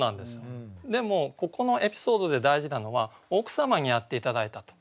でもここのエピソードで大事なのは奥様にやって頂いたと。